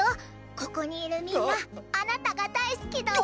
ここにいるみんなあなたがだいすきだわ。